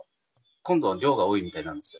今度は量が多いみたいなんですよ。